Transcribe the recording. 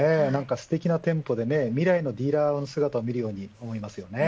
すてきな店舗で未来のディーラーの姿を見るように思います。